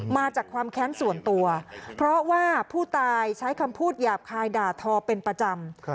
มาจากความแค้นส่วนตัวเพราะว่าผู้ตายใช้คำพูดหยาบคายด่าทอเป็นประจำ